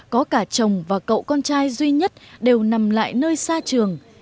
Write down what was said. có cả chồng và cậu con trai duy nhất đều nằm lại nơi xa trường